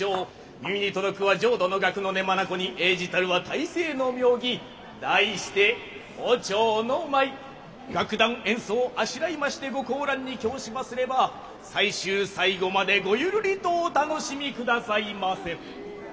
耳に届くは浄土の楽の音眼に映じたるは泰西の妙技題して「胡蝶の舞」。楽団演奏をあしらいましてご高覧に供しますれば最終最後までごゆるりとお楽しみくださいませ。